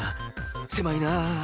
狭いなあ。